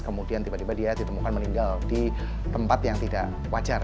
kemudian tiba tiba dia ditemukan meninggal di tempat yang tidak wajar